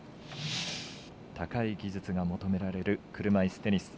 高い技術が求められる車いすテニス。